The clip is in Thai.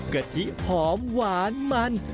กะทิหอมหวานมัน